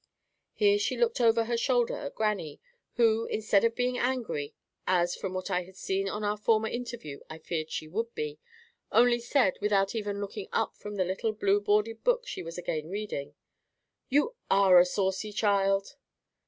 Here she looked over her shoulder at grannie, who, instead of being angry, as, from what I had seen on our former interview, I feared she would be, only said, without even looking up from the little blue boarded book she was again reading— "You are a saucy child."